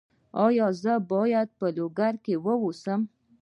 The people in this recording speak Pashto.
ایا زه باید په لوګر کې اوسم؟